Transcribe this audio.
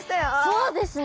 そうですね。